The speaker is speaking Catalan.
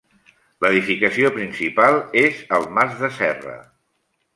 L'edificació principal és el Mas de Serra.